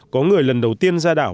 có người lần đầu tiên ra đảo